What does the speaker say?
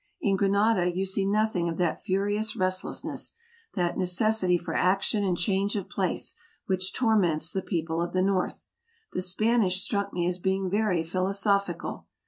In Granada you see nothing of that furious restlessness, that necessity for action and change of place, which torments the people of the North. The Spanish struck me as being very philosophical.